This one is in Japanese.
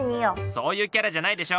そういうキャラじゃないでしょ！